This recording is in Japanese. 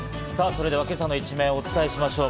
それでは今朝の一面をお伝えしましょう。